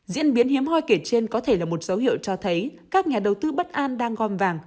diễn biến hiếm hoi kể trên có thể là một dấu hiệu cho thấy các nhà đầu tư bất an đang gom vàng